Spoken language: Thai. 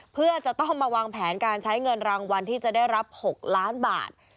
เพื่อจะต้องมาวางแผนการใช้เงินรางวัลที่จะได้รับ๖ล้านบาท